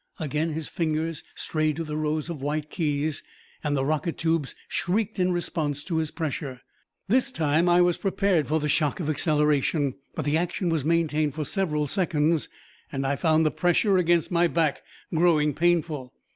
Again his fingers strayed to the rows of white keys and the rocket tubes shrieked in response to his pressure. This time I was prepared for the shock of acceleration, but the action was maintained for several seconds and I found the pressure against my back growing painful.